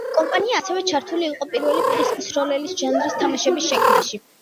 კომპანია, ასევე ჩართული იყო პირველი პირის მსროლელის ჟანრის თამაშების შექმნაში.